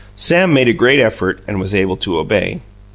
Sam made a great effort and was able to obey.